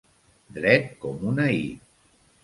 Dret com una i.